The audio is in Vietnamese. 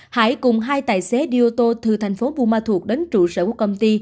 hải cùng hai tài xế đi ô tô từ thành phố buma thuộc đến trụ sở quốc công ty